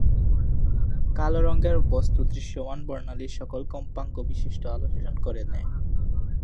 কালো রঙের বস্তু দৃশ্যমান বর্ণালীর সকল কম্পাঙ্ক বিশিষ্ট আলো শোষণ করে নেয়।